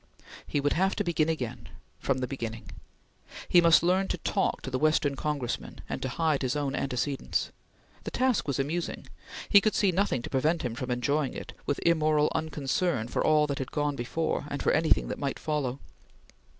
He would have to begin again from the beginning. He must learn to talk to the Western Congressman, and to hide his own antecedents. The task was amusing. He could see nothing to prevent him from enjoying it, with immoral unconcern for all that had gone before and for anything that might follow.